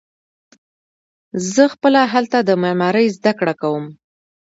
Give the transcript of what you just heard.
زه خپله هلته د معمارۍ زده کړه کوم.